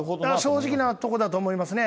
正直なとこだと思いますね。